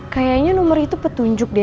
kayaknya nomor itu petunjuk deh